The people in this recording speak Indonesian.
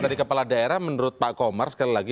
dari kepala daerah menurut pak komar sekali lagi